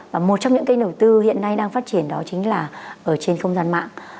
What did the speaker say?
và một trong những cái đầu tư hiện nay đang phát triển đó chính là ở trên không gian mạng